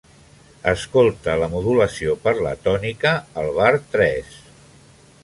Escolta la modulació per la tònica al bar tres.